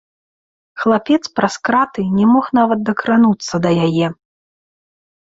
Хлапец праз краты не мог нават дакрануцца да яе.